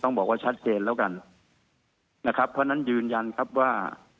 บอกว่าชัดเจนแล้วกันนะครับเพราะฉะนั้นยืนยันครับว่า